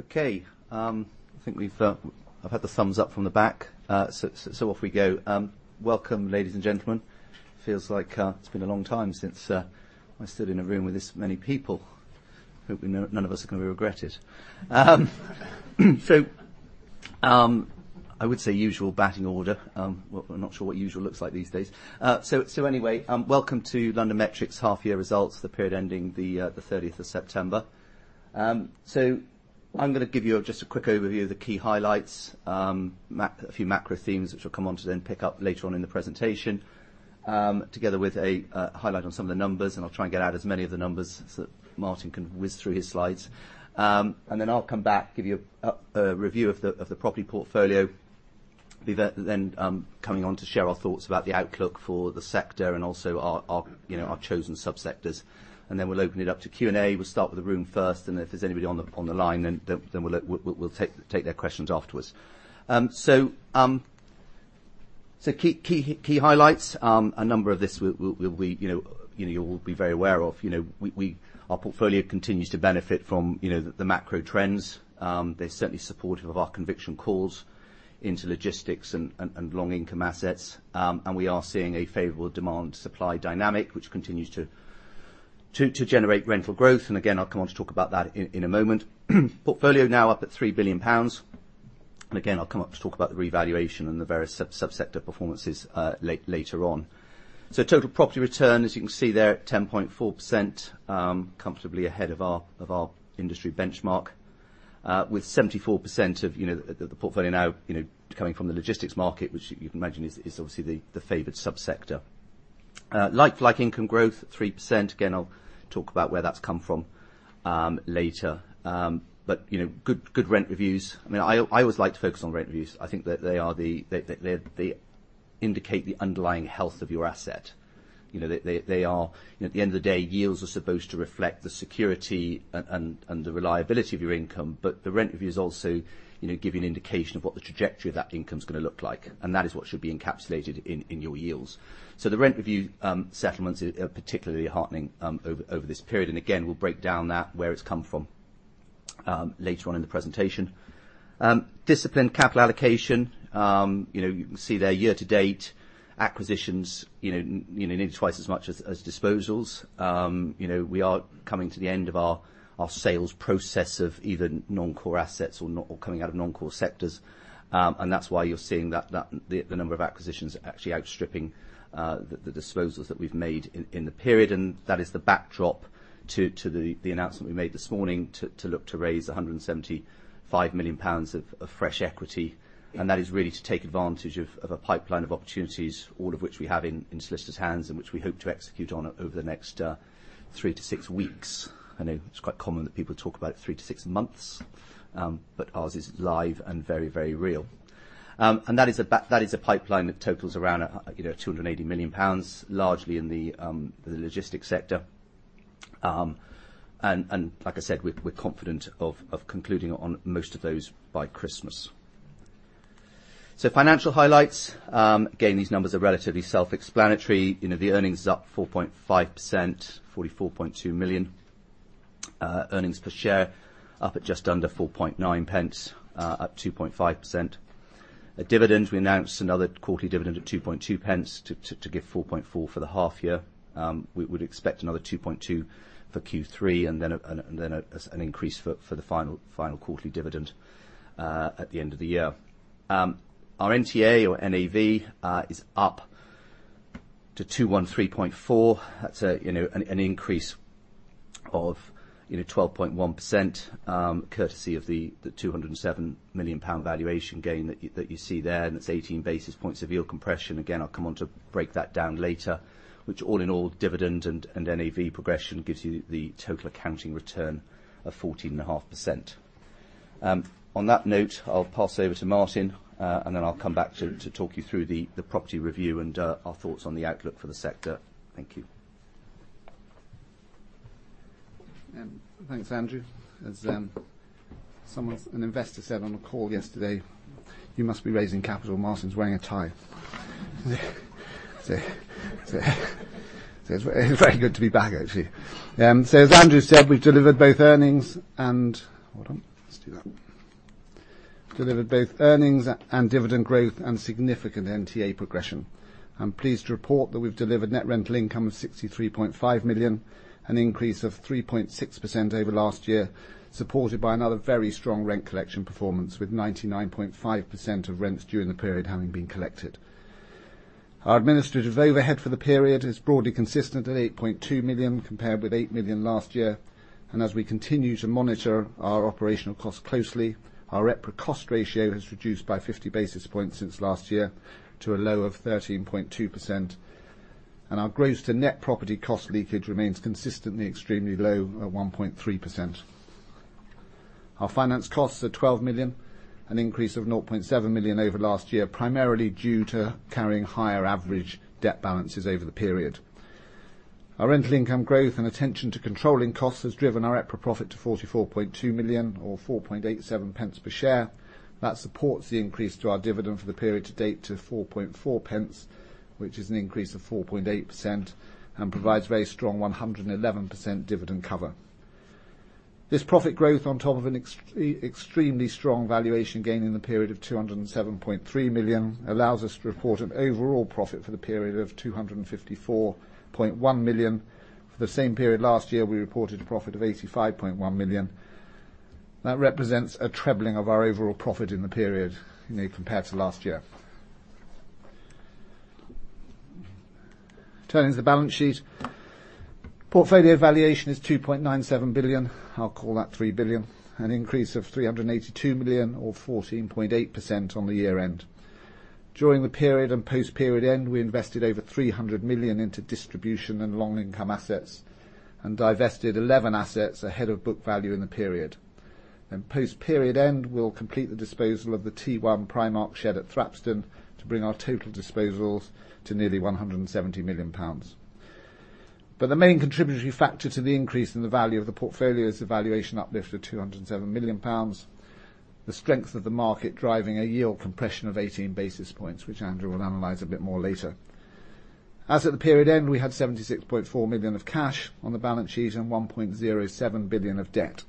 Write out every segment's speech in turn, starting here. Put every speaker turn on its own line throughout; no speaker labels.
Okay. I think I've had the thumbs up from the back, so off we go. Welcome, ladies and gentlemen. It feels like it's been a long time since I stood in a room with this many people. Hopefully none of us are gonna regret it. I would say usual batting order, we're not sure what usual looks like these days. Welcome to LondonMetric Property's half-year results, the period ending September 30th. I'm gonna give you just a quick overview of the key highlights, a few macro themes which we'll come on to then pick up later on in the presentation, together with a highlight on some of the numbers, and I'll try and get out as many of the numbers so that Martin can whiz through his slides. Then I'll come back, give you a review of the property portfolio. Then, coming on to share our thoughts about the outlook for the sector and also our, you know, our chosen sub-sectors. Then we'll open it up to Q&A. We'll start with the room first, and if there's anybody on the line, then we'll take their questions afterwards. Key highlights, a number of these you will be very aware of. You know, our portfolio continues to benefit from, you know, the macro trends. They're certainly supportive of our conviction calls into logistics and long income assets. We are seeing a favorable demand-supply dynamic, which continues to generate rental growth, and again, I'll come on to talk about that in a moment. Portfolio now up at 3 billion pounds, and again, I'll come on to talk about the revaluation and the various subsector performances later on. Total property return, as you can see there, 10.4%, comfortably ahead of our industry benchmark. With 74% of, you know, the portfolio now, you know, coming from the logistics market, which you can imagine is obviously the favored subsector. Like income growth, 3%. Again, I'll talk about where that's come from, later. You know, good rent reviews. I mean, I always like to focus on rent reviews. I think that they indicate the underlying health of your asset. You know, they are. You know, at the end of the day, yields are supposed to reflect the security and the reliability of your income, but the rent review is also, you know, give you an indication of what the trajectory of that income's gonna look like, and that is what should be encapsulated in your yields. The rent review settlements are particularly heartening over this period. Again, we'll break down that, where it's come from, later on in the presentation. Disciplined capital allocation. You know, you can see there year to date, acquisitions, you know, nearly twice as much as disposals. You know, we are coming to the end of our sales process of even non-core assets or coming out of non-core sectors, and that's why you're seeing that the number of acquisitions actually outstripping the disposals that we've made in the period. That is the backdrop to the announcement we made this morning to look to raise GBP 175 million of fresh equity. That is really to take advantage of a pipeline of opportunities, all of which we have in solicitors' hands and which we hope to execute on over the next three to six weeks. I know it's quite common that people talk about three to six months, but ours is live and very real. That is a pipeline that totals around, you know, 280 million pounds, largely in the logistics sector. Like I said, we're confident of concluding on most of those by Christmas. Financial highlights. Again, these numbers are relatively self-explanatory. You know, the earnings are up 4.5%, 44.2 million. Earnings per share up at just under 0.049, up 2.5%. Dividend, we announced another quarterly dividend of 0.022 to give 0.044 for the half year. We would expect another 0.022 for Q3 and then an increase for the final quarterly dividend at the end of the year. Our NTA or NAV is up to 2.134. That's you know an increase of you know 12.1%, courtesy of the 207 million pound valuation gain that you see there, and it's 18 basis points of yield compression. Again, I'll come on to break that down later, which all in all, dividend and NAV progression gives you the total accounting return of 14.5%. On that note, I'll pass over to Martin, and then I'll come back to talk you through the property review and our thoughts on the outlook for the sector. Thank you.
Thanks, Andrew. As someone, an investor said on a call yesterday, "You must be raising capital. Martin's wearing a tie." It's very good to be back actually. So as Andrew said, we've delivered both earnings and dividend growth and significant NTA progression. I'm pleased to report that we've delivered net rental income of 63.5 million, an increase of 3.6% over last year, supported by another very strong rent collection performance, with 99.5% of rents during the period having been collected. Our administrative overhead for the period is broadly consistent at 8.2 million, compared with 8 million last year. As we continue to monitor our operational costs closely, our EPRA cost ratio has reduced by 50 basis points since last year to a low of 13.2%. Our gross to net property cost leakage remains consistently extremely low at 1.3%. Our finance costs are 12 million, an increase of 0.7 million over last year, primarily due to carrying higher average debt balances over the period. Our rental income growth and attention to controlling costs has driven our EPRA profit to 44.2 million or 0.0487 per share. That supports the increase to our dividend for the period to date to 0.044, which is an increase of 4.8% and provides very strong 111% dividend cover. This profit growth on top of an extremely strong valuation gain in the period of 207.3 million allows us to report an overall profit for the period of 254.1 million. For the same period last year, we reported a profit of 85.1 million. That represents a trebling of our overall profit in the period, you know, compared to last year. Turning to the balance sheet. Portfolio valuation is 2.97 billion. I'll call that 3 billion. An increase of 382 million or 14.8% on the year-end. During the period and post-period end, we invested over 300 million into distribution and long income assets and divested 11 assets ahead of book value in the period. Post-period end, we'll complete the disposal of the T1 Primark shed at Thrapston to bring our total disposals to nearly 170 million pounds. The main contributory factor to the increase in the value of the portfolio is the valuation uplift of 207 million pounds. The strength of the market driving a yield compression of 18 basis points, which Andrew will analyze a bit more later. As at the period end, we had 76.4 million of cash on the balance sheet and 1.07 billion of debt.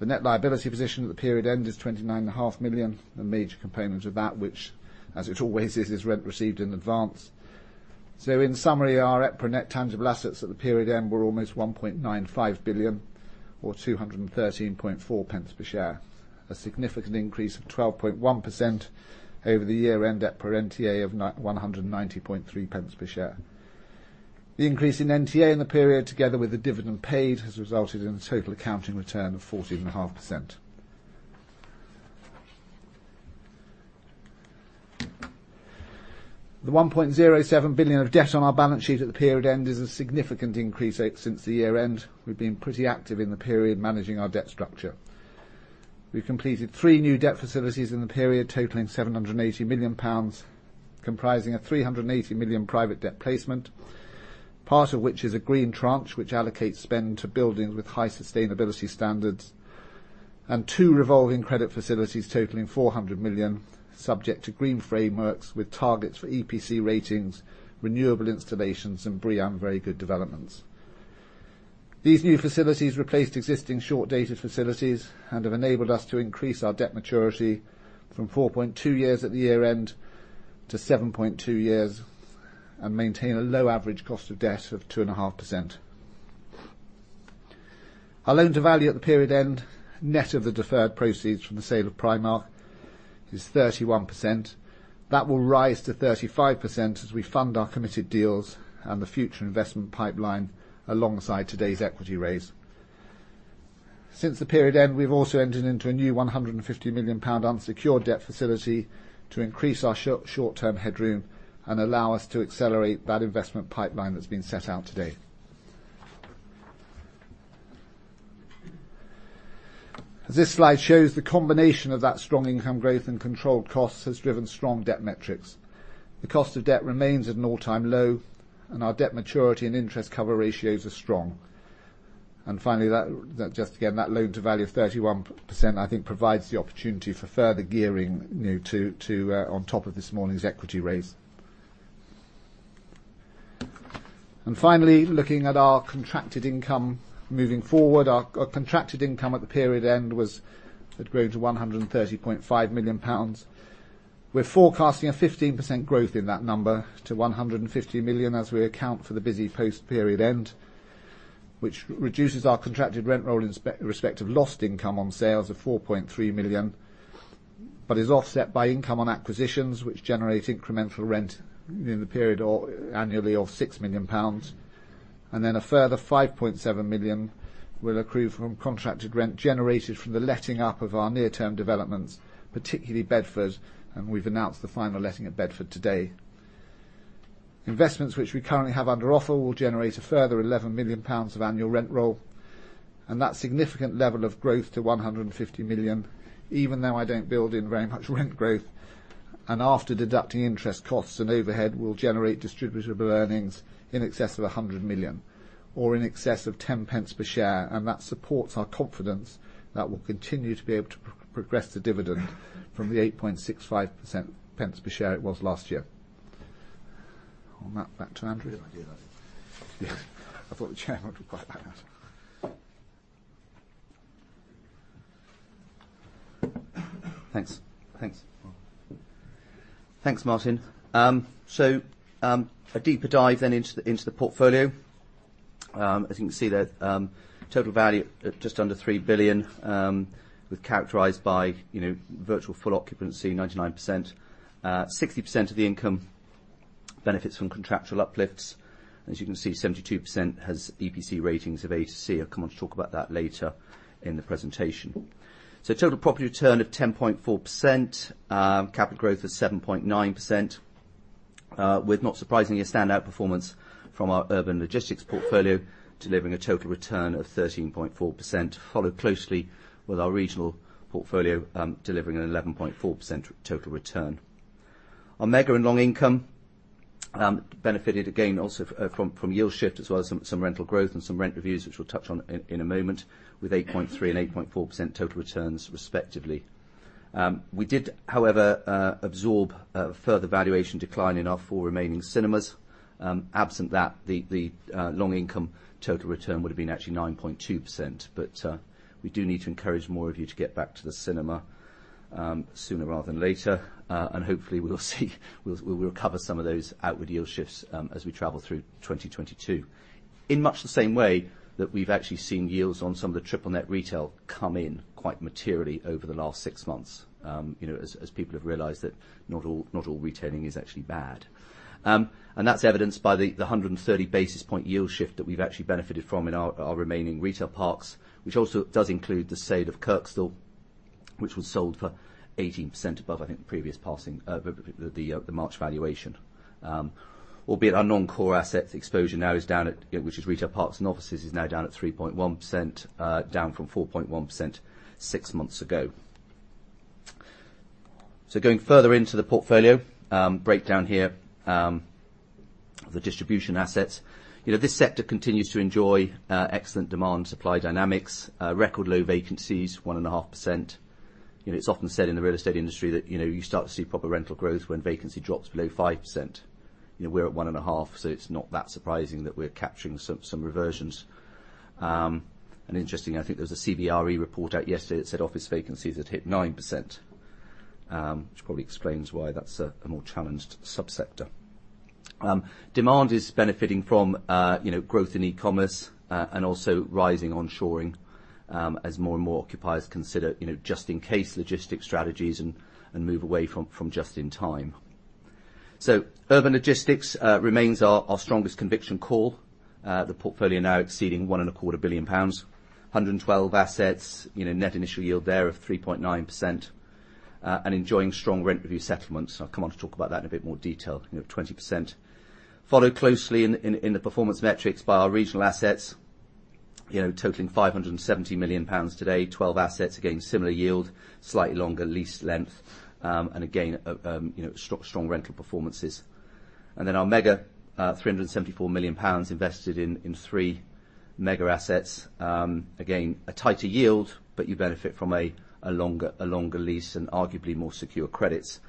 The net liability position at the period end is 29.5 million, a major component of that, which, as it always is rent received in advance. In summary, our EPRA net tangible assets at the period end were almost 1.95 billion or 2.134 per share, a significant increase of 12.1% over the year-end EPRA NTA of 1.903 per share. The increase in NTA in the period, together with the dividend paid, has resulted in a total accounting return of 14.5%. The 1.07 billion of debt on our balance sheet at the period end is a significant increase since the year-end. We've been pretty active in the period, managing our debt structure. We've completed three new debt facilities in the period, totaling 780 million pounds, comprising a 380 million private debt placement, part of which is a green tranche, which allocates spend to buildings with high sustainability standards, and two revolving credit facilities totaling 400 million, subject to green frameworks with targets for EPC ratings, renewable installations, and BREEAM very good developments. These new facilities replaced existing short-dated facilities and have enabled us to increase our debt maturity from 4.2 years at the year end to 7.2 years and maintain a low average cost of debt of 2.5%. Our loan-to-value at the period end, net of the deferred proceeds from the sale of Primark, is 31%. That will rise to 35% as we fund our committed deals and the future investment pipeline alongside today's equity raise. Since the period end, we've also entered into a new 150 million pound unsecured debt facility to increase our short-term headroom and allow us to accelerate that investment pipeline that's been set out today. As this slide shows, the combination of that strong income growth and controlled costs has driven strong debt metrics. The cost of debt remains at an all-time low, and our debt maturity and interest cover ratios are strong. Finally, that loan-to-value of 31%, I think, provides the opportunity for further gearing, you know, on top of this morning's equity raise. Finally, looking at our contracted income moving forward, our contracted income at the period end had grown to 130.5 million pounds. We're forecasting a 15% growth in that number to 150 million as we account for the busy post-period end, which reduces our contracted rent roll in respect of lost income on sales of 4.3 million, but is offset by income on acquisitions which generate incremental rent in the period or annually of 6 million pounds, and then a further 5.7 million will accrue from contracted rent generated from the letting up of our near-term developments, particularly Bedford, and we've announced the final letting at Bedford today. Investments which we currently have under offer will generate a further 11 million pounds of annual rent roll, and that significant level of growth to 150 million, even though I don't build in very much rent growth, and after deducting interest costs and overhead, will generate distributable earnings in excess of 100 million or in excess of 0.10 per share, and that supports our confidence that we'll continue to be able to progress the dividend from the 0.0865 per share it was last year. On that, back to Andrew.
Good idea.
I thought the Chairman would be quite happy about that.
Thanks, Martin. A deeper dive then into the portfolio. As you can see there, total value at just under 3 billion, characterized by, you know, virtual full occupancy, 99%. 60% of the income benefits from contractual uplifts. As you can see, 72% has EPC ratings of A to C. I'll come on to talk about that later in the presentation. Total property return of 10.4%, capital growth of 7.9%, with not surprisingly a standout performance from our urban logistics portfolio, delivering a total return of 13.4%, followed closely with our regional portfolio, delivering an 11.4% total return. Our mega and long income benefited again also from yield shift as well as some rental growth and some rent reviews, which we'll touch on in a moment with 8.3% and 8.4% total returns respectively. We did, however, absorb a further valuation decline in our four remaining cinemas. Absent that, the long income total return would have been actually 9.2%. We do need to encourage more of you to get back to the cinema sooner rather than later. Hopefully, we'll recover some of those outward yield shifts as we travel through 2022. In much the same way that we've actually seen yields on some of the Triple Net Retail come in quite materially over the last six months, you know, as people have realized that not all retailing is actually bad. That's evidenced by the 100 basis point yield shift that we've actually benefited from in our remaining retail parks, which also does include the sale of Kirkstall, which was sold for 18% above, I think, the previous passing the March valuation. Albeit our non-core assets exposure now is down at 3.1%, you know, which is retail parks and offices, down from 4.1% six months ago. Going further into the portfolio breakdown here of the distribution assets. You know, this sector continues to enjoy excellent demand, supply dynamics, record low vacancies, 1.5%. You know, it's often said in the real estate industry that, you know, you start to see proper rental growth when vacancy drops below 5%. You know, we're at 1.5%, so it's not that surprising that we're capturing some reversions. Interesting, I think there was a CBRE report out yesterday that said office vacancies had hit 9%, which probably explains why that's a more challenged subsector. Demand is benefiting from, you know, growth in e-commerce and also rising onshoring, as more and more occupiers consider, you know, just in case logistics strategies and move away from just in time. Urban logistics remains our strongest conviction call. The portfolio now exceeding 1.25 billion pounds, 112 assets, you know, net initial yield there of 3.9%, and enjoying strong rent review settlements. I'll come on to talk about that in a bit more detail, you know, 20%. Followed closely in the performance metrics by our regional assets, you know, totaling GBP 570 million today, 12 assets, again, similar yield, slightly longer lease length, and again, you know, strong rental performances. Then our mega-assets, GBP 374 million invested in three mega-assets. Again, a tighter yield, but you benefit from a longer lease and arguably more secure credits,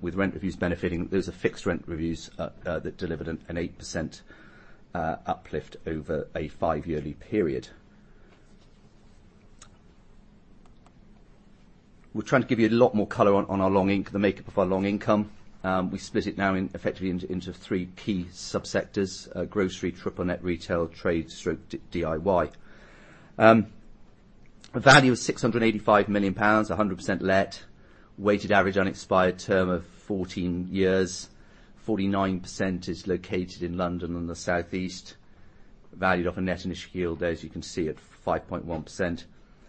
with rent reviews benefiting. Those are fixed rent reviews that delivered an 8% uplift over a five-yearly period. We're trying to give you a lot more color on the makeup of our Long Income. We split it now effectively into three key subsectors, grocery, Triple Net Retail, trade/DIY. A value of 685 million pounds, 100% let, weighted average unexpired term of 14 years, 49% is located in London and the Southeast, valued at a net initial yield, as you can see, at 5.1%,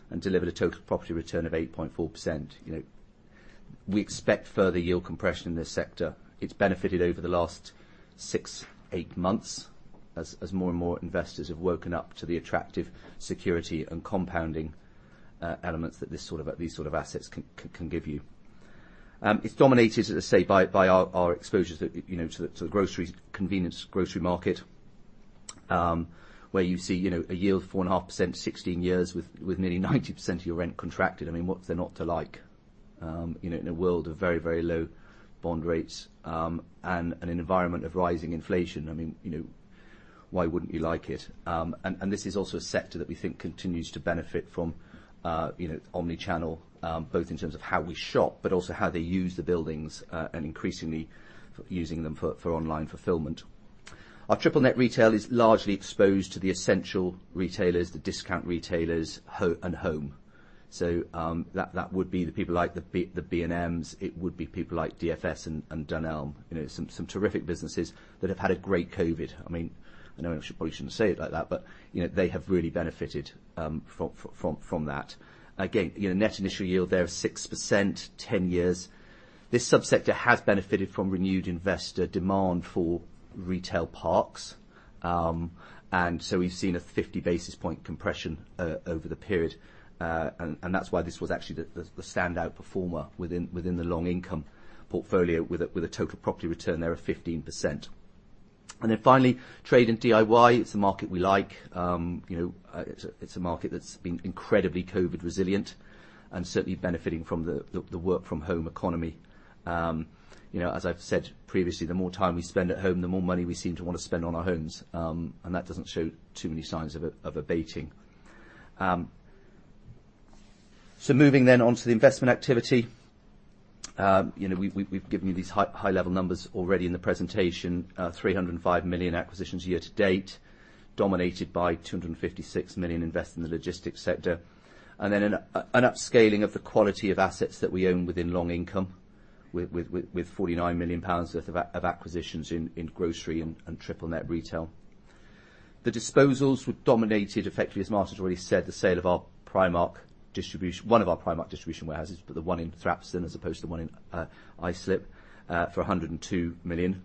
and delivered a total property return of 8.4%. You know, we expect further yield compression in this sector. It's benefited over the last six to eight months as more and more investors have woken up to the attractive security and compounding elements that these sort of assets can give you. It's dominated, as I say, by our exposures that you know to the grocery, convenience grocery market, where you see a yield of 4.5%, 16 years with nearly 90% of your rent contracted. I mean, what's there not to like? You know, in a world of very low bond rates and an environment of rising inflation, I mean, you know, why wouldn't you like it? This is also a sector that we think continues to benefit from, you know, omni-channel, both in terms of how we shop, but also how they use the buildings, and increasingly using them for online fulfillment. Our Triple Net Retail is largely exposed to the essential retailers, the discount retailers, and home. That would be the people like the B&Ms. It would be people like DFS and Dunelm, you know, some terrific businesses that have had a great COVID. I mean, I know I should probably shouldn't say it like that, but, you know, they have really benefited from that. Again, you know, net initial yield there of 6%, 10 years. This subsector has benefited from renewed investor demand for retail parks. We've seen a 50 basis point compression over the period. That's why this was actually the standout performer within the long income portfolio with a total property return there of 15%. Finally, trade and DIY, it's a market we like. You know, it's a market that's been incredibly COVID resilient and certainly benefiting from the work from home economy. You know, as I've said previously, the more time we spend at home, the more money we seem to want to spend on our homes, and that doesn't show too many signs of abating. Moving onto the investment activity. You know, we've given you these high-level numbers already in the presentation. 305 million acquisitions year to date, dominated by 256 million invested in the logistics sector. Then an upscaling of the quality of assets that we own within Long Income with 49 million pounds worth of acquisitions in grocery and Triple Net Retail. The disposals were dominated effectively, as Martin has already said, the sale of our Primark distribution, one of our Primark distribution warehouses, but the one in Thrapston as opposed to the one in Islip, for 102 million.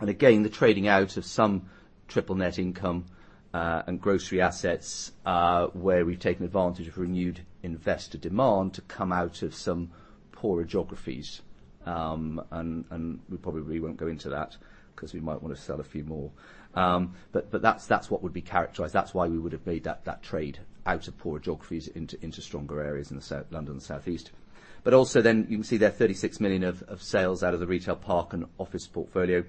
Again, the trading out of some triple net income and grocery assets, where we've taken advantage of renewed investor demand to come out of some poorer geographies. We probably won't go into that 'cause we might wanna sell a few more. That's what would be characterized. That's why we would have made that trade out of poor geographies into stronger areas in the South, London and South East. You can see there 36 million of sales out of the retail park and office portfolio,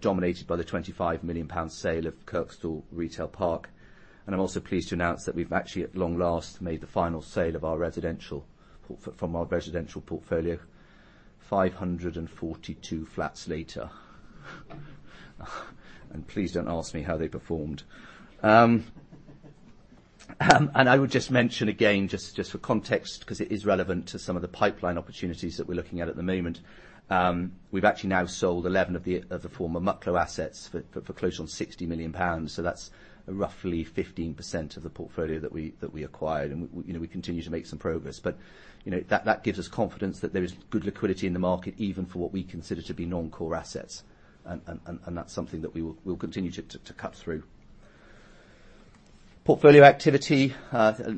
dominated by the 25 million pounds sale of Kirkstall Retail Park. I'm also pleased to announce that we've actually at long last made the final sale of our residential portfolio, 542 flats later. Please don't ask me how they performed. I would just mention again, just for context, 'cause it is relevant to some of the pipeline opportunities that we're looking at at the moment. We've actually now sold 11 of the former A&J Mucklow assets for close on 60 million pounds, so that's roughly 15% of the portfolio that we acquired. We continue to make some progress, but you know, that gives us confidence that there is good liquidity in the market, even for what we consider to be non-core assets, and that's something that we will continue to cut through. Portfolio activity,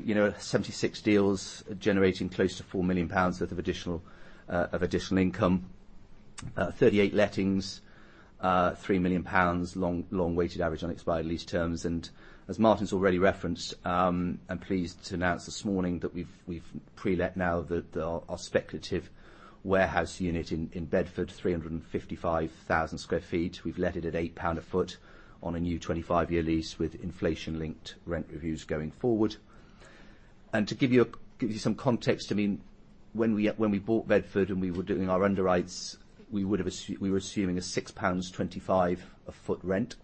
you know, 76 deals generating close to 4 million pounds worth of additional income. 38 lettings, 3 million pounds long weighted average on expired lease terms. As Martin's already referenced, I'm pleased to announce this morning that we've pre-let now our speculative warehouse unit in Bedford, 355,000 sq ft. We've let it at 8 pound a foot on a new 25-year lease with inflation-linked rent reviews going forward. To give you some context, I mean, when we bought Bedford and we were doing our underwrites, we would have assumed a 6.25 pounds a foot rent,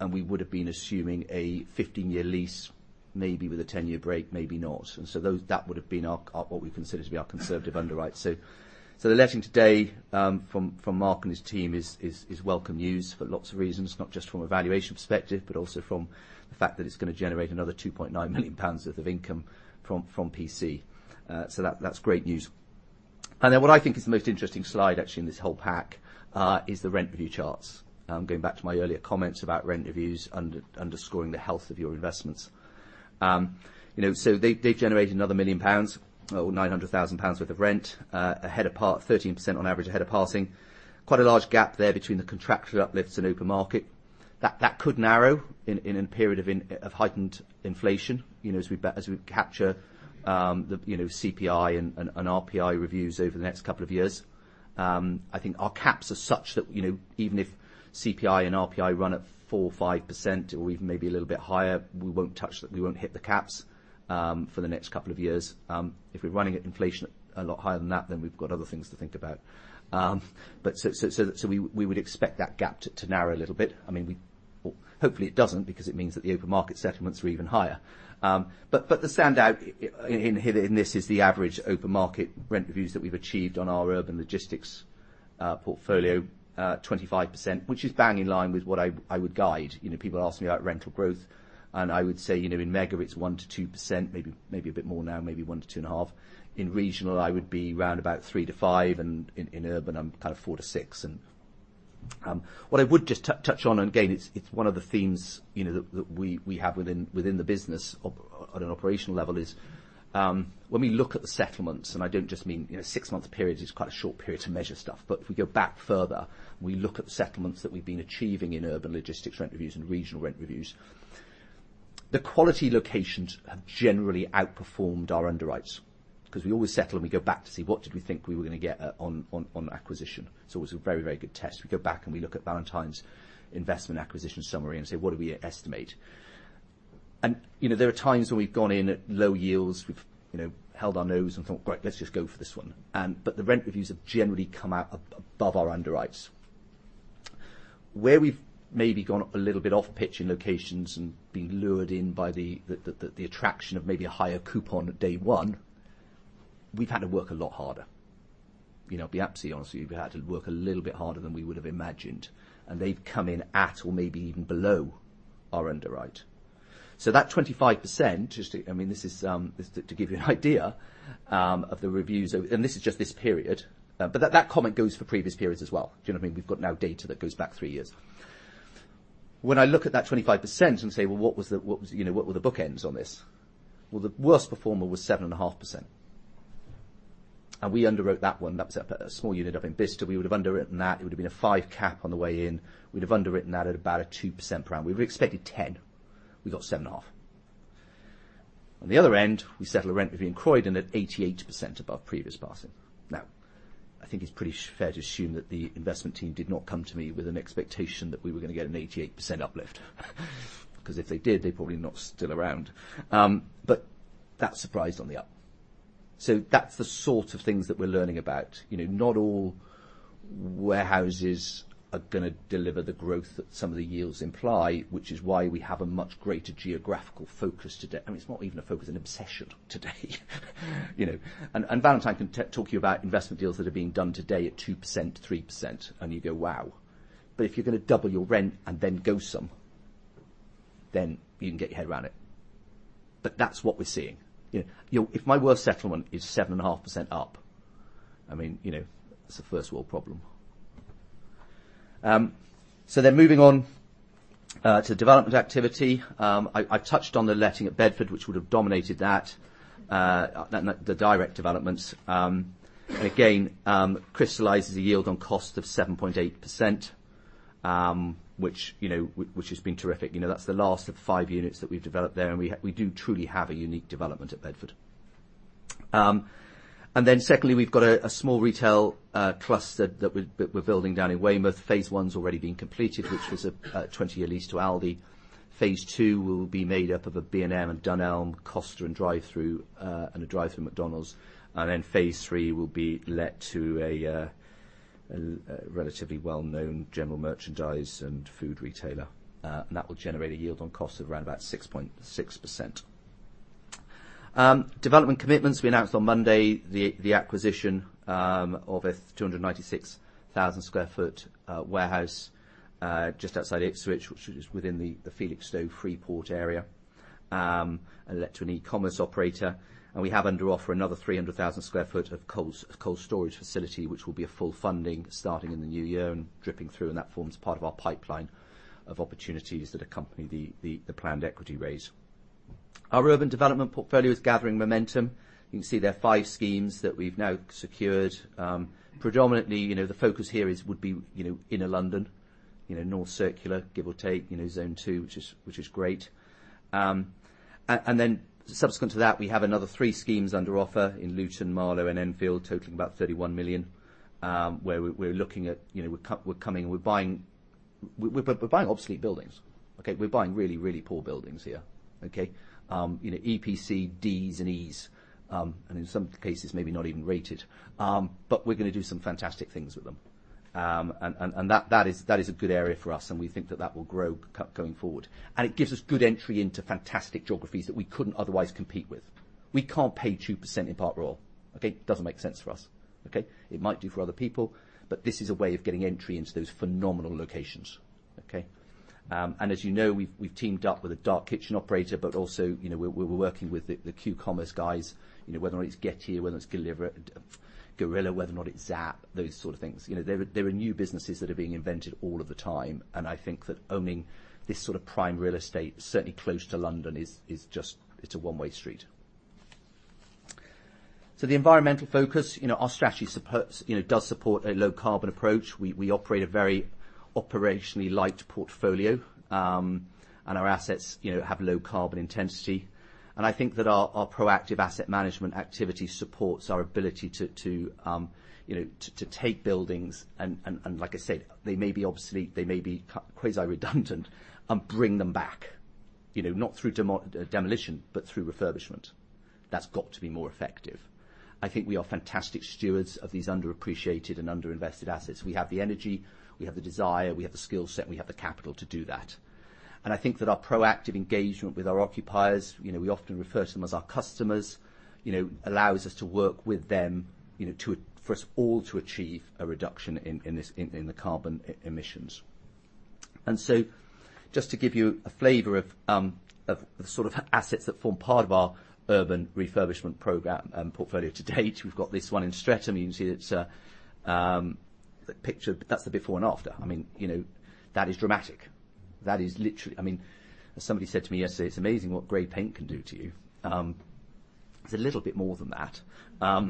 and we would have been assuming a 15-year lease, maybe with a 10-year break, maybe not. Those that would have been our what we consider to be our conservative underwrite. The letting today from Mark and his team is welcome news for lots of reasons, not just from a valuation perspective, but also from the fact that it's gonna generate another 2.9 million pounds worth of income from PC. That's great news. What I think is the most interesting slide actually in this whole pack is the rent review charts. I'm going back to my earlier comments about rent reviews underscoring the health of your investments. You know, they've generated another 1 million pounds or 900,000 pounds worth of rent ahead of par, 13% on average ahead of passing. Quite a large gap there between the contractual uplifts and open market. That could narrow in a period of heightened inflation, you know, as we capture the you know CPI and RPI reviews over the next couple of years. I think our caps are such that, you know, even if CPI and RPI run at 4% or 5% or even maybe a little bit higher, we won't hit the caps for the next couple of years. If we're running at inflation a lot higher than that, then we've got other things to think about. We would expect that gap to narrow a little bit. I mean, well, hopefully it doesn't because it means that the open market settlements were even higher. The standout in this is the average open market rent reviews that we've achieved on our urban logistics portfolio, 25%, which is bang in line with what I would guide. You know, people ask me about rental growth, and I would say, you know, in mega it's 1%-2%, maybe a bit more now, maybe 1%-2.5%. In regional, I would be round about 3%-5% and in urban, I'm kind of 4%-6%. What I would just touch on, and again, it's one of the themes, you know, that we have within the business on an operational level is when we look at the settlements, and I don't just mean, you know, six-month period is quite a short period to measure stuff, but if we go back further, we look at the settlements that we've been achieving in Urban Logistics rent reviews and regional rent reviews. The quality locations have generally outperformed our underwrites 'cause we always settle and we go back to see what did we think we were gonna get at on acquisition. It's a very, very good test. We go back and we look at Valentine's investment acquisition summary and say, "What did we estimate?" You know, there are times when we've gone in at low yields, we've you know held our nose and thought, "Great, let's just go for this one." But the rent reviews have generally come out above our underwrites. Where we've maybe gone a little bit off-piste in locations and been lured in by the attraction of maybe a higher coupon at day one, we've had to work a lot harder. You know, be absolutely honest with you, we had to work a little bit harder than we would have imagined, and they've come in at or maybe even below our underwrite. That 25%, just to I mean, this is to give you an idea of the reviews. This is just this period. That comment goes for previous periods as well. Do you know what I mean? We've got data now that goes back three years. When I look at that 25% and say, "Well, you know, what were the bookends on this?" Well, the worst performer was 7.5%. We underwrote that one. That was at a small unit up in Bicester. We would have underwritten that. It would have been a 5% cap on the way in. We'd have underwritten that at about a 2% round. We were expecting 10%. We got 7.5%. On the other end, we settled a rent review in Croydon at 88% above previous passing. Now, I think it's pretty fair to assume that the investment team did not come to me with an expectation that we were gonna get an 88% uplift. 'Cause if they did, they'd probably not still around. That surprise on the upside. That's the sort of things that we're learning about. You know, not all warehouses are gonna deliver the growth that some of the yields imply, which is why we have a much greater geographical focus today. I mean, it's not even a focus, an obsession today. You know, and Valentine can talk to you about investment deals that are being done today at 2%, 3%, and you go, "Wow." If you're gonna double your rent and then grow some, then you can get your head around it. That's what we're seeing. If my worst settlement is 7.5% up, I mean, you know, it's a first world problem. Moving on to development activity. I touched on the letting at Bedford, which would have dominated that and the direct developments. Again, crystallizes the yield on cost of 7.8%, which, you know, has been terrific. You know, that's the last of five units that we've developed there, and we do truly have a unique development at Bedford. Secondly, we've got a small retail cluster that we're building down in Weymouth. Phase I already been completed, which was a 20-year lease to Aldi. Phase II will be made up of a B&M and Dunelm, Costa and drive-through, and a drive-through McDonald's. Then phase III will be let to a relatively well-known general merchandise and food retailer. That will generate a yield on cost of around 6.6%. Development commitments, we announced on Monday the acquisition of a 296,000 sq ft warehouse just outside Ipswich, which is within the Felixstowe Freeport area, let to an e-commerce operator. We have under offer another 300,000 sq ft of cold storage facility, which will be a full funding starting in the new year and dripping through. That forms part of our pipeline of opportunities that accompany the planned equity raise. Our urban development portfolio is gathering momentum. You can see there are five schemes that we've now secured. Predominantly, you know, the focus here would be, you know, inner London, you know, North Circular, give or take, you know, zone two, which is great. Subsequent to that, we have another three schemes under offer in Luton, Marlow, and Enfield, totaling about 31 million, where we're looking at, you know, we're buying obsolete buildings. Okay. We're buying really poor buildings here. Okay. You know, EPC Ds and Es, and in some cases maybe not even rated. We're gonna do some fantastic things with them. That is a good area for us, and we think that will grow going forward. It gives us good entry into fantastic geographies that we couldn't otherwise compete with. We can't pay 2% in Park Royal. Okay. It doesn't make sense for us. Okay. It might do for other people, but this is a way of getting entry into those phenomenal locations. Okay. As you know, we've teamed up with a Dark Kitchen operator, but also, you know, we're working with the Q-Commerce guys. You know, whether or not it's Getir, whether it's Gorillas, whether or not it's Zapp, those sort of things. You know, there are new businesses that are being invented all of the time, and I think that owning this sort of prime real estate, certainly close to London, is just a one-way street. The environmental focus, you know, our strategy does support a low carbon approach. We operate a very operationally light portfolio, and our assets, you know, have low carbon intensity. I think that our proactive asset management activity supports our ability to you know to take buildings and like I said, they may be obsolete, they may be quasi-redundant and bring them back. You know, not through demolition, but through refurbishment. That's got to be more effective. I think we are fantastic stewards of these underappreciated and underinvested assets. We have the energy, we have the desire, we have the skill set, and we have the capital to do that. I think that our proactive engagement with our occupiers, you know, we often refer to them as our customers, you know, allows us to work with them, you know, to, for us all to achieve a reduction in this, in the carbon emissions. Just to give you a flavor of the sort of assets that form part of our urban refurbishment program, portfolio to date, we've got this one in Streatham. You can see it's the picture, that's the before and after. I mean, you know, that is dramatic. That is literally. I mean, as somebody said to me yesterday, "It's amazing what gray paint can do to you." It's a little bit more than that.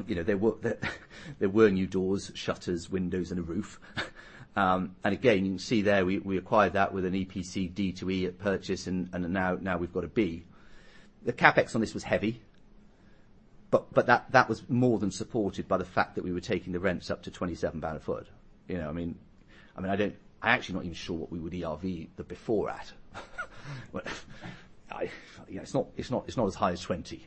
You know, there were new doors, shutters, windows, and a roof. Again, you can see there, we acquired that with an EPC D to E at purchase and now we've got a B. The CapEx on this was heavy, but that was more than supported by the fact that we were taking the rents up to 27 pound a foot. You know, I mean, I'm actually not even sure what we would ERV it before at. Well, you know, it's not as high as 20.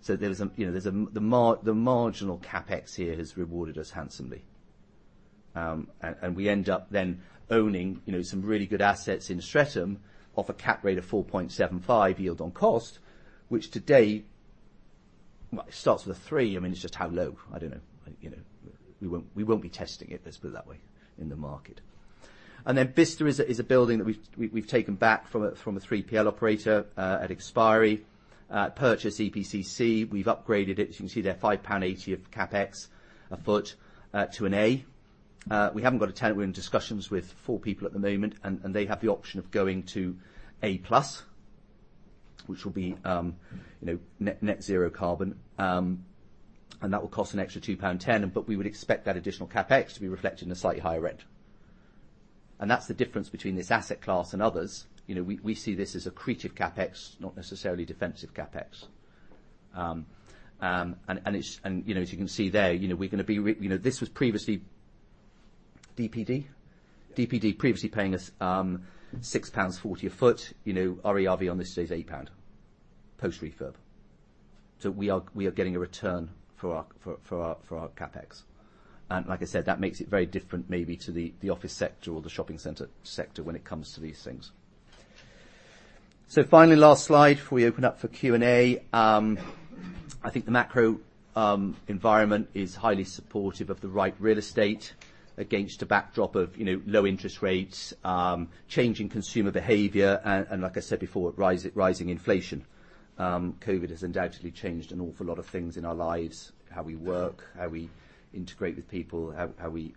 So there is a marginal CapEx here has rewarded us handsomely. We end up then owning, you know, some really good assets in Streatham off a cap rate of 4.75% yield on cost, which to date, well, it starts with a three. I mean, it's just how low? I don't know. You know, we won't be testing it, let's put it that way, in the market. Bicester is a building that we've taken back from a 3PL operator at expiry. Purchased EPC C, we've upgraded it. As you can see there, 5.80 of CapEx a foot to an A. We haven't got a tenant. We're in discussions with four people at the moment, and they have the option of going to A+, which will be net zero carbon. That will cost an extra 2.10 pound, but we would expect that additional CapEx to be reflected in a slightly higher rent. That's the difference between this asset class and others. You know, we see this as accretive CapEx, not necessarily defensive CapEx. You know, as you can see there, you know, this was previously DPD? DPD previously paying us 6.40 pounds a foot. You know, our ERV on this today is 8 pound, post-refurb. We are getting a return for our CapEx. Like I said, that makes it very different maybe to the office sector or the shopping center sector when it comes to these things. Finally, last slide before we open up for Q&A. I think the macro environment is highly supportive of the right real estate against a backdrop of, you know, low interest rates, changing consumer behavior and, like I said before, rising inflation. COVID has undoubtedly changed an awful lot of things in our lives, how we work, how we integrate with people, how we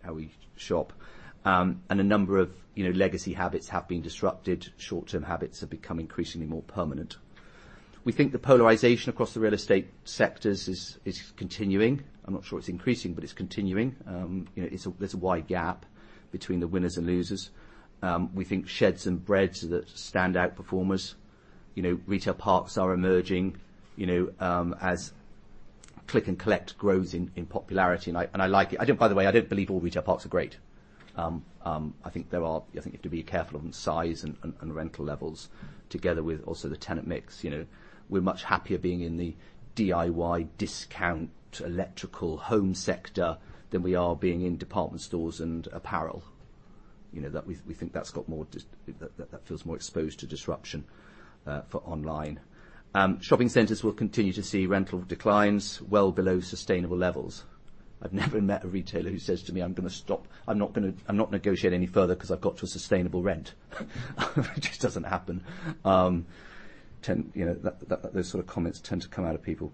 shop. A number of, you know, legacy habits have been disrupted. Short-term habits have become increasingly more permanent. We think the polarization across the real estate sectors is continuing. I'm not sure it's increasing, but it's continuing. You know, there's a wide gap between the winners and losers. We think sheds and beds are the standout performers. You know, retail parks are emerging as click and collect grows in popularity, and I like it. By the way, I don't believe all retail parks are great. I think there are. You have to be careful of the size and rental levels together with also the tenant mix. You know, we're much happier being in the DIY discount electrical home sector than we are being in department stores and apparel. You know, that feels more exposed to disruption for online. Shopping centers will continue to see rental declines well below sustainable levels. I've never met a retailer who says to me, "I'm gonna stop. I'm not negotiating any further 'cause I've got to a sustainable rent." It just doesn't happen. You know, those sort of comments tend to come out of people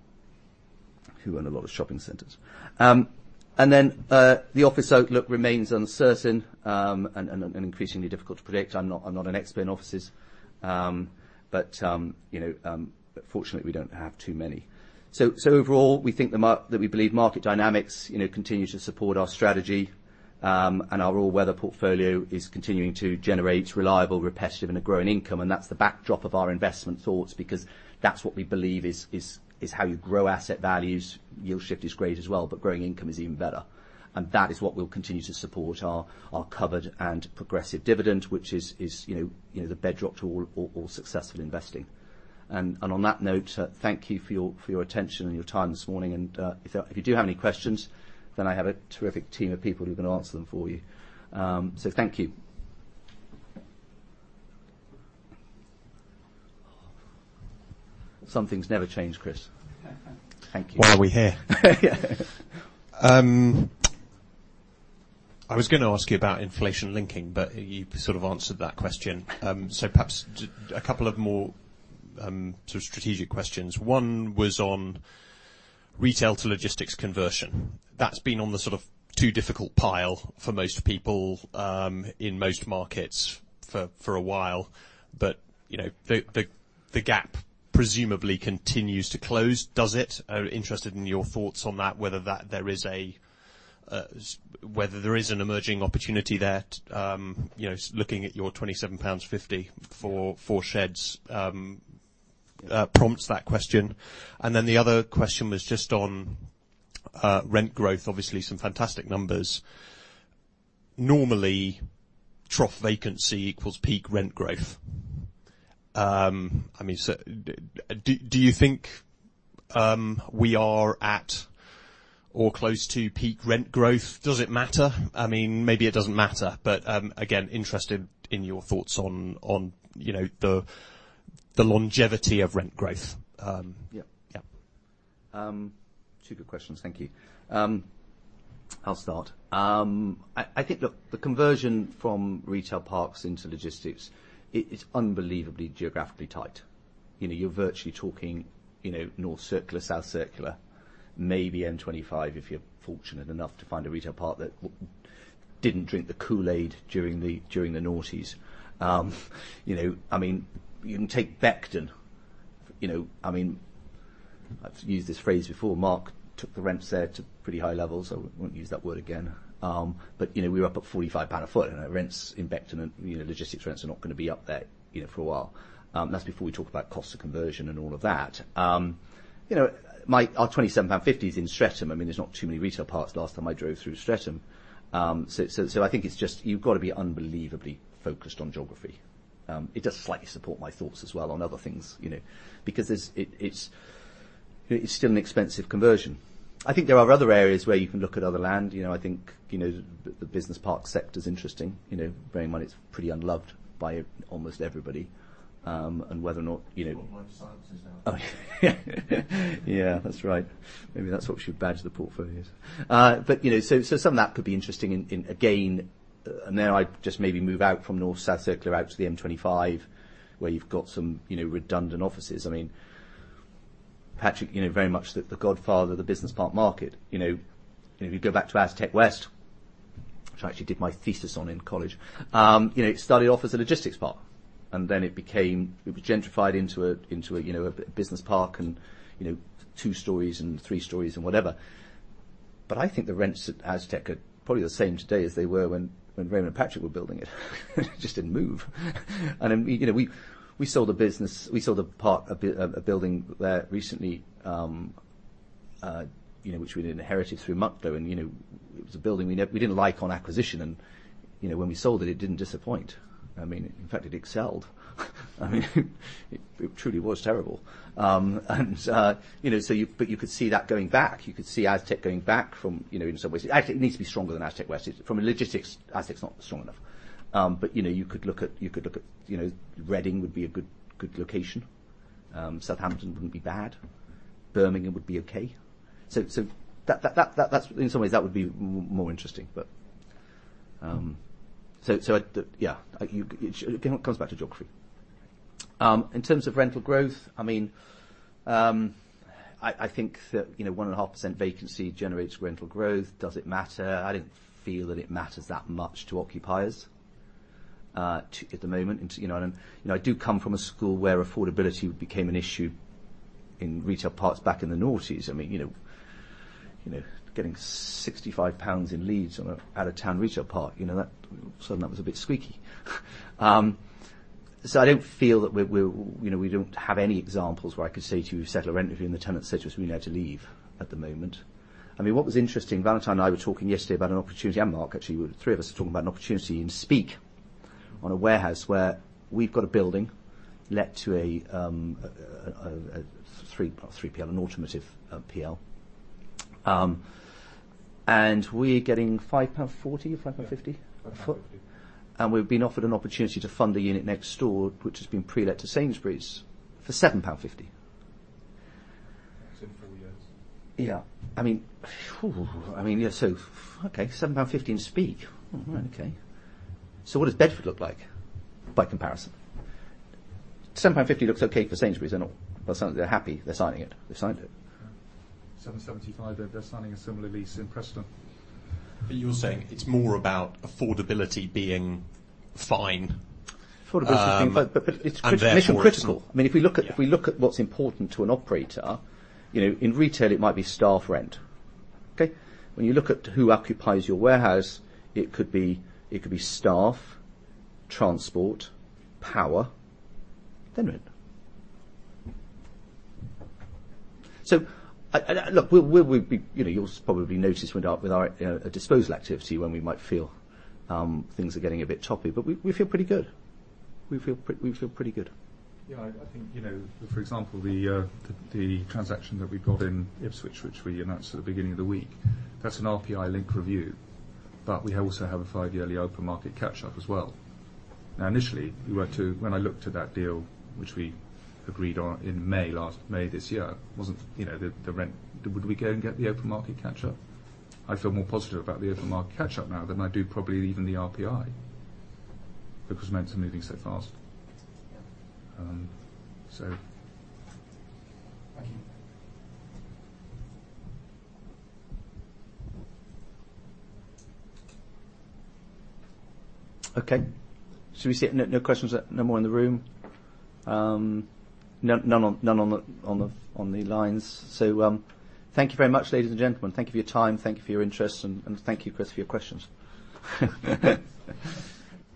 who own a lot of shopping centers. Then the office outlook remains uncertain and increasingly difficult to predict. I'm not an expert in offices, but you know, but fortunately, we don't have too many. Overall, we think that we believe market dynamics, you know, continue to support our strategy, and our all-weather portfolio is continuing to generate reliable, repetitive, and a growing income. That's the backdrop of our investment thoughts because that's what we believe is how you grow asset values. Yield shift is great as well, but growing income is even better. That is what will continue to support our covered and progressive dividend, which is, you know, the bedrock to all successful investing. On that note, thank you for your attention and your time this morning. If you do have any questions, then I have a terrific team of people who can answer them for you. Thank you. Some things never change, Chris. Thank you.
Why are we here? I was gonna ask you about inflation linking, but you sort of answered that question. So perhaps a couple of more sort of strategic questions. One was on retail to logistics conversion. That's been on the sort of too difficult pile for most people in most markets for a while. But you know, the gap presumably continues to close. Does it? Interested in your thoughts on that, whether there is an emerging opportunity there, you know, looking at your 27.50 pounds for sheds prompts that question. Then the other question was just on rent growth. Obviously, some fantastic numbers. Normally, trough vacancy equals peak rent growth. I mean, do you think we are at or close to peak rent growth? Does it matter? I mean, maybe it doesn't matter. Again, I'm interested in your thoughts on you know the longevity of rent growth.
Yeah.
Yeah.
Two good questions. Thank you. I'll start. I think, look, the conversion from retail parks into logistics is unbelievably geographically tight. You know, you're virtually talking, you know, North Circular, South Circular, maybe M25 if you're fortunate enough to find a retail park that didn't drink the Kool-Aid during the noughties. You know, I mean, you can take Beckton. You know, I mean, I've used this phrase before, Mark took the rents there to pretty high levels. I won't use that word again. But you know, we're up at 45 pound a foot and our rents in Beckton and, you know, logistics rents are not gonna be up there, you know, for a while. That's before we talk about cost of conversion and all of that. You know, our 27.50 pound is in Streatham. I mean, there's not too many retail parks last time I drove through Streatham. So I think it's just you've got to be unbelievably focused on geography. It does slightly support my thoughts as well on other things, you know, because it's still an expensive conversion. I think there are other areas where you can look at other land. You know, I think the business park sector is interesting. You know, bearing in mind it's pretty unloved by almost everybody. Whether or not, you know-
Life sciences now.
Oh, yeah. Yeah, that's right. Maybe that's what we should badge the portfolios. But, you know, so some of that could be interesting in, again, now I just maybe move out from North, South Circular out to the M25, where you've got some, you know, redundant offices. I mean, Patrick, you know, very much the godfather of the business park market. You know, if you go back to Aztec West, which I actually did my thesis on in college, you know, it started off as a logistics park, and then it became it was gentrified into a, you know, a business park and, you know, two stories and three stories and whatever. But I think the rents at Aztec are probably the same today as they were when Ray and Patrick were building it. It just didn't move. You know, we sold a business, we sold a park, a building there recently, you know, which we then inherited through Mucklow. You know, it was a building we didn't like on acquisition and, you know, when we sold it didn't disappoint. I mean, in fact, it excelled. I mean, it truly was terrible. You know, but you could see that going back. You could see Aztec going back from, you know, in some ways. Aztec needs to be stronger than Aztec West. It's, from a logistics, Aztec's not strong enough. You know, you could look at, you know, Reading would be a good location. Southampton wouldn't be bad. Birmingham would be okay. That's in some ways that would be more interesting, but. It comes back to geography. In terms of rental growth, I mean, I think that, you know, 1.5% vacancy generates rental growth. Does it matter? I don't feel that it matters that much to occupiers at the moment. You know, I do come from a school where affordability became an issue in retail parks back in the noughties. I mean, you know, getting 65 pounds in Leeds on an out-of-town retail park. You know, that suddenly that was a bit squeaky. I don't feel that we You know, we don't have any examples where I could say to you, "Set a rent review." And the tenant says to us, "We're gonna have to leave," at the moment. I mean, what was interesting, Valentine and I were talking yesterday about an opportunity, and Mark, actually. Three of us were talking about an opportunity in Speke on a warehouse where we've got a building let to a 3PL, an automotive 3PL. And we're getting 5.40 pound, 5.50 pound?
Yeah. 5.50.
We've been offered an opportunity to fund a unit next door, which has been pre-let to Sainsbury's for 7.50 pound.
It's in four years.
Yeah. I mean, phew. I mean, yeah, okay. 7.50 pound in Speke. Oh, okay. What does Bedford look like by comparison? 7.50 pound looks okay for Sainsbury's. They're happy. They're signing it. They've signed it.
7.75, they're signing a similar lease in Preston.
You're saying it's more about affordability being fine.
Affordability is the thing.
And therefore it's-
Mission critical. I mean, if we look at
Yeah.
If we look at what's important to an operator, you know, in retail it might be staff rent. Okay? When you look at who occupies your warehouse, it could be staff, transport, power, then rent. Look, you know, you'll probably notice with our disposal activity when we might feel things are getting a bit choppy, but we feel pretty good. We feel pretty good.
Yeah. I think, you know, for example, the transaction that we got in Ipswich, which we announced at the beginning of the week, that's an RPI-linked review. We also have a five-yearly open market catch-up as well. Now, initially, when I looked at that deal, which we agreed on in May, last May this year, I wasn't, you know, the rent, would we go and get the open market catch-up? I feel more positive about the open market catch-up now than I do probably even the RPI because rents are moving so fast.
Yeah.
Thank you.
Should we see no questions? No more in the room? None on the lines. Thank you very much, ladies and gentlemen. Thank you for your time. Thank you for your interest, and thank you, Chris, for your questions.